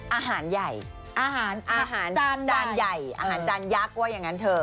อาหารใหญ่อาหารจานจานใหญ่อาหารจานยักษ์ว่าอย่างนั้นเถอะ